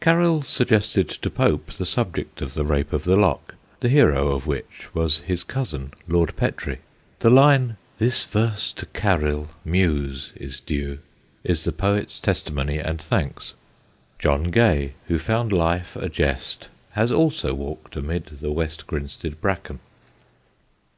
Caryll suggested to Pope the subject of The Rape of the Lock, the hero of which was his cousin, Lord Petre. The line: This verse to Caryll, Muse, is due, is the poet's testimony and thanks. John Gay, who found life a jest, has also walked amid the West Grinstead bracken.